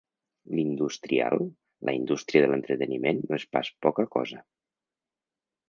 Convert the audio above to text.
L'industrial —la indústria de l'entreteniment no és pas poca cosa.